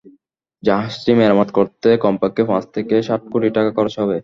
জাহাজটি মেরামত করতে কমপক্ষে পাঁচ থেকে সাত কোটি টাকা খরচ হবে।